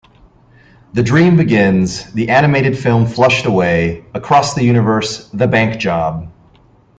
The Dream Begins; the animated film Flushed Away; Across the Universe; The Bank Job.